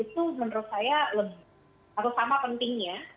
itu menurut saya lebih atau sama pentingnya